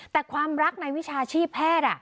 แต่ความรักในวิชาชีพแพทย์